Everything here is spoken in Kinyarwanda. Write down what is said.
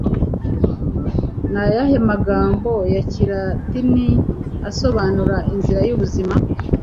Ni ayahe magambo y'Ikilatini asobanura “inzira y'ubuzima”?